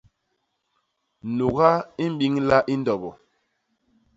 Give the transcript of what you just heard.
Nuga i mbiñla i ndobo.